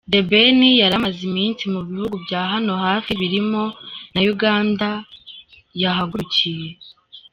The Ben yari amaze iminsi mu bihugu bya hano hafi birimo na Uganda yahagurukiye.